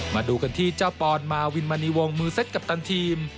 มาดูกันที่เจ้าปอนมาวินมณีวงมือเซ็ตกัปตันทีม